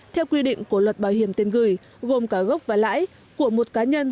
theo quy định của luật bảo hiểm tiền gửi gồm cả gốc và lãi của một cá nhân